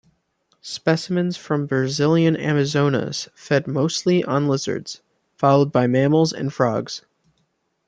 Specimens from Brazilian Amazonas fed mostly on lizards, followed by mammals and frogs.